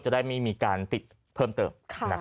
ได้ไม่มีการติดเพิ่มเติม